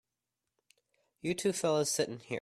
You two fellas sit in here.